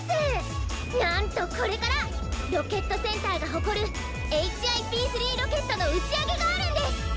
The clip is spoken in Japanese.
なんとこれからロケットセンターがほこるＨＩＰ−３ロケットのうちあげがあるんです！